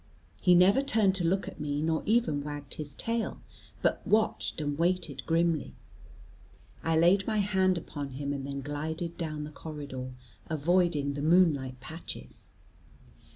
He never turned to look at me, nor even wagged his tail, but watched and waited grimly. I laid my hand upon him, and then glided down the corridor, avoiding the moonlight patches.